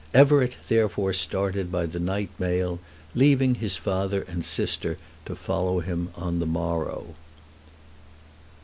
Everett therefore started by the night mail, leaving his father and sister to follow him on the morrow.